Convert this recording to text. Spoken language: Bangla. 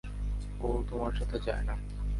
ও তোমার সাথে যায় না।